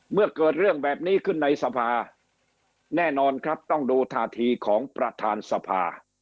เมื่อเกิดเรื่องแบบนี้ขึ้นในสภาแน่นอนครับต้องดูท่าทีของประธานสภา